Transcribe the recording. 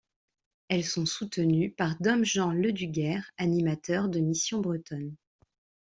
Elles sont soutenues par Dom Jean Leduger, animateur de missions bretonnes.